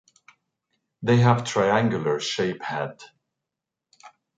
They have a triangular shape head.